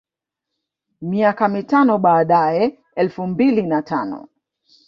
Miaka mitano baadae elfu mbili na tano